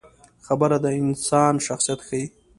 خبره د انسان شخصیت ښيي.